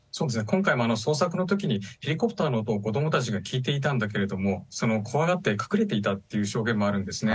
今回も捜索のときに、ヘリコプターの音を子どもたちが聞いていたんだけれども、その怖がって、隠れていたっていう証言もあるんですね。